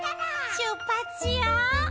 「しゅっぱつしよう！」